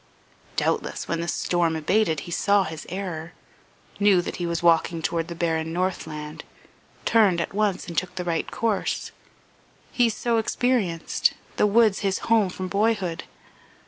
Doubtless when the storm abated he saw his error, knew that he was walking toward the barren northland, turned at once and took the right course he so experienced, the woods his home from boyhood.